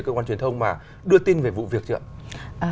cơ quan truyền thông mà đưa tin về vụ việc chưa ạ